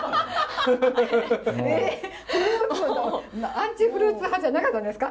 アンチフルーツ派じゃなかったんですか？